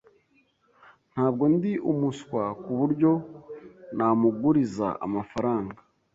[S] Ntabwo ndi umuswa kuburyo namuguriza amafaranga.